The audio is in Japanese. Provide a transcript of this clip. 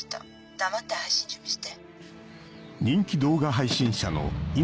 黙って配信準備して。